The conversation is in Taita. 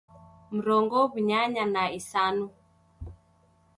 Mrongo w'unyanya na isanu